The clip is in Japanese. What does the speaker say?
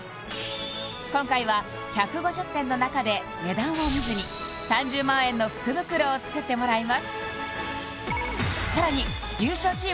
今回は１５０点の中で値段を見ずに３０万円の福袋を作ってもらいます